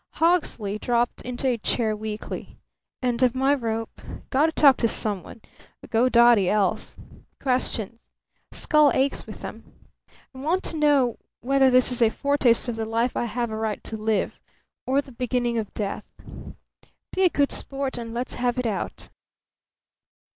Hawksley dropped into a chair weakly. "End of my rope. Got to talk to someone. Go dotty, else. Questions. Skull aches with 'em. Want to know whether this is a foretaste of the life I have a right to live or the beginning of death. Be a good sport, and let's have it out."